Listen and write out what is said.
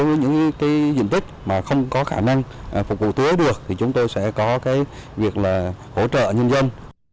đối với những diện tích mà không có khả năng phục vụ tứa được thì chúng tôi sẽ có việc hỗ trợ nhân dân